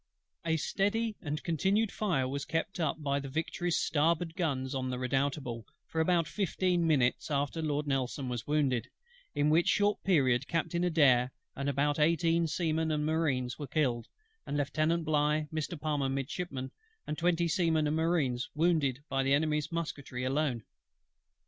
A steady and continued fire was kept up by the Victory's starboard guns on the Redoutable, for about fifteen minutes after Lord NELSON was wounded; in which short period Captain ADAIR and about eighteen Seamen and Marines were killed, and Lieutenant BLIGH, Mr. PALMER Midshipman, and twenty Seamen and Marines, wounded, by the Enemy's musketry alone.